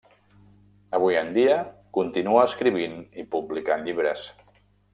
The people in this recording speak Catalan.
Avui en dia continua escrivint i publicant llibres.